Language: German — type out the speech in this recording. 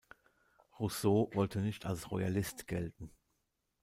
Rousseau wollte nicht als Royalist gelten.